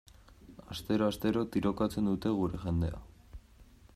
Astero-astero tirokatzen dute gure jendea.